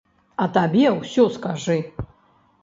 А табе ўсё скажы!